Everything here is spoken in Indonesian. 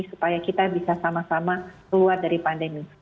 supaya kita bisa sama sama keluar dari pandemi